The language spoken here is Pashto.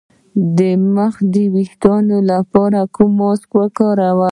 د مخ د ويښتانو لپاره کوم ماسک وکاروم؟